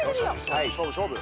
勝負勝負。